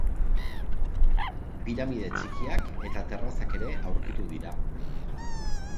Piramide txikiak eta terrazak ere aurkitu dira.